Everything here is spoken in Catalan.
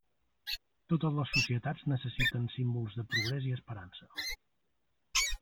Totes les societats necessiten símbols de progrés i esperança.